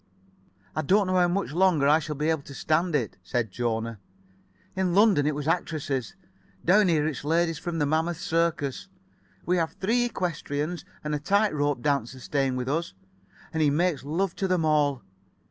"I don't know how much longer I shall be able to stand it," said Jona. "In London it was actresses. Down here it's ladies from the Mammoth Circus. We have three equestriennes and a tight rope dancer staying with us, and he makes love to them all.